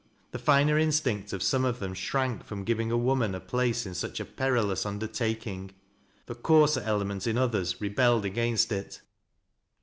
The finer instinct of some uf them shrank from giving a woman a place in such a peril ous undertaking — the coarser element in others rebelled against it.